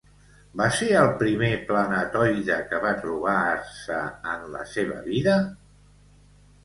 Va ser el primer planetoide que va trobar-se en la seva vida?